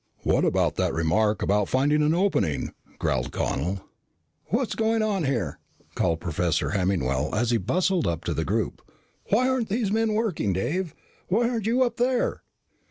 "What about that remark about finding an opening?" growled Connel. "What's going on here?" called Professor Hemmingwell as he bustled up to the group. "Why aren't these men working? Dave, why aren't you up there